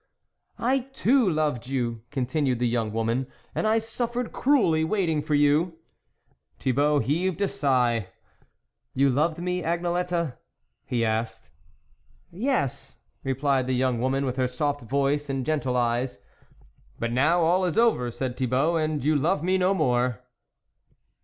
" I too loved you," continued the young woman, " and I suffered cruelly waiting for you." Thibault heaved a sigh. " You loved me, Agnelette ?" he asked. " Yes," replied the young woman with her soft voice and gentle eyes. " But now, all is over," said Thibault, " and you love me no more."